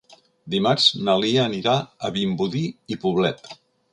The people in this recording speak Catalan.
Dimarts na Lia anirà a Vimbodí i Poblet.